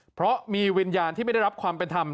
เพราะมีวิญญาณที่ไม่ได้รับความเป็นธรรม